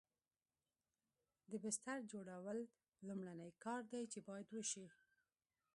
د بستر جوړول لومړنی کار دی چې باید وشي